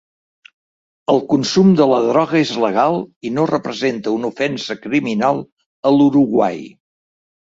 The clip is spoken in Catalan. El consum de la droga és legal i no representa una ofensa criminal a l'Uruguai.